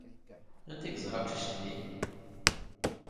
Anda ay yeẓra aqcic-nni?